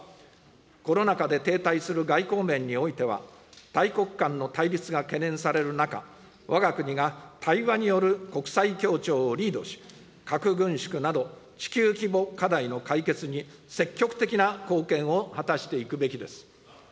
コロナ禍で停滞する外交面においては、大国間の対立が懸念される中、わが国が対話による国際協調をリードし、核軍縮など地球規模課題の解決に、積極的な貢献を果たしていくべきです。